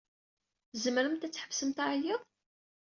Tzemremt ad tḥebsemt aɛeyyeḍ?